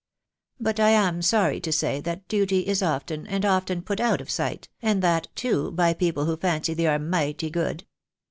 But I am sorry to say that duty is often and often put oiri; of sight, and that, too, by people who fancy they are mighty good.